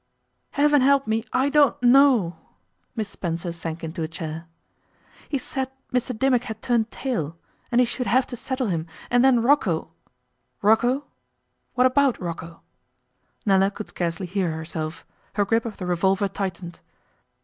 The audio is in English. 'Heaven help me, I don't know.' Miss Spencer sank into a chair. 'He said Mr Dimmock had turned tail, and he should have to settle him and then Rocco ' 'Rocco! What about Rocco?' Nella could scarcely hear herself. Her grip of the revolver tightened.